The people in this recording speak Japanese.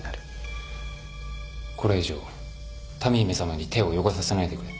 これ以上多美姫さまに手を汚させないでくれ